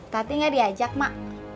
tati nggak diajak mak